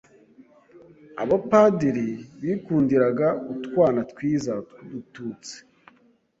Abapadiri bikundiraga utwana twiza twudututsi